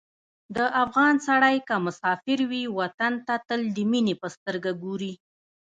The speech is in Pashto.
د افغان سړی که مسافر وي، وطن ته تل د مینې په سترګه ګوري.